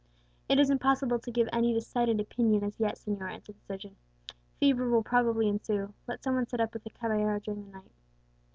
"It is impossible to give any decided opinion as yet, señor," answered the surgeon. "Fever will probably ensue; let some one sit up with the caballero during the night."